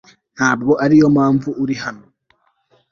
ntabwo ariyo mpamvu uri hano